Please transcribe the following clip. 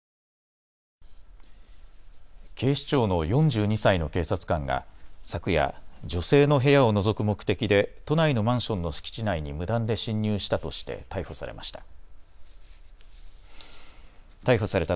警視庁の４２歳の警察官が昨夜、女性の部屋をのぞく目的で都内のマンションの敷地内に無断で侵入したとして逮捕されました。